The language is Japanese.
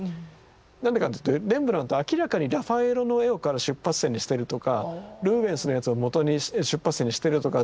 何でかっていうとレンブラント明らかにラファエロの絵を出発点にしてるとかルーベンスのやつをもとに出発点にしてるとかっていう絵があるんですよ。